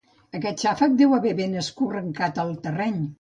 Aquest xàfec deu haver ben escorrancat el terreny.